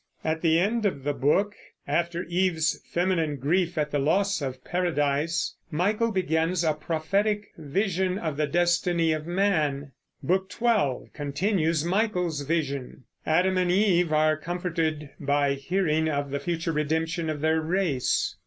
At the end of the book, after Eve's feminine grief at the loss of Paradise, Michael begins a prophetic vision of the destiny of man. Book XII continues Michael's vision. Adam and Eve are comforted by hearing of the future redemption of their race.